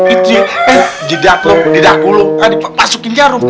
itu ya eh di dat lo di dat lo masukin jarum